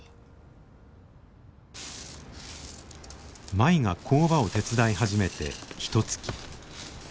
舞が工場を手伝い始めてひとつき。